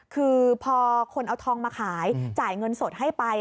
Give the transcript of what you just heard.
คือพอคนเอาทองมาขายจ่ายเงินสดให้ไป